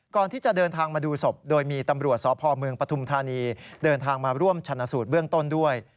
ก่อนที่จะเดินทางมาดูศพโดยมีตำรวจสพเมืองปฐุมธานีเดินทางมาร่วมชนะสูตรเบื้องต้นด้วย